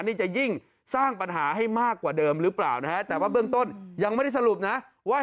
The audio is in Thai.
นี่จะยิ่งสร้างปัญหาให้มากกว่าเดิมหรือเปล่านะครับ